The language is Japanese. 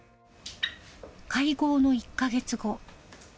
会合の１か月後。